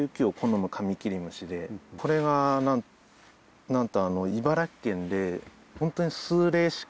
これがなんと。